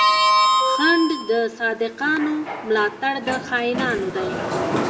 خنډ د صادقانو، ملا تړ د خاينانو دی